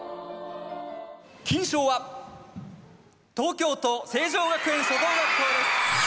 金賞は東京都成城学園初等学校です。